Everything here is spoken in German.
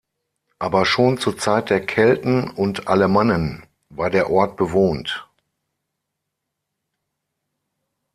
Aber schon zur Zeit der Kelten und Alemannen war der Ort bewohnt.